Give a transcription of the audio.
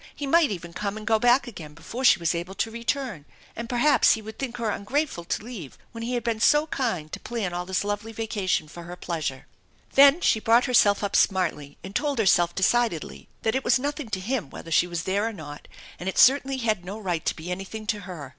He might even come and go back again before she was able to return, and perhaps he would think her ungrateful to leave when he had been so kind to plan all this lovely vacation for her pleasure. Then she brought herself up smartly and told herself decidedly that it was nothing to him whether she was there or not, and it certainly had no right to be anything to her.